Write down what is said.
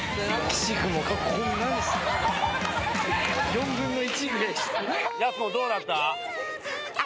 ４分の１ぐらいでした。